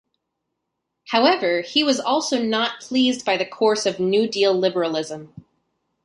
However, he was also not pleased by the course of New Deal liberalism.